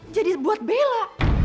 jadi buat bella